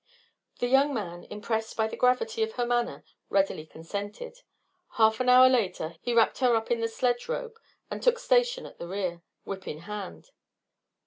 The young man, impressed by the gravity of her manner, readily consented. Half an hour later he wrapped her up in the sledge robe and took station at the rear, whip in hand.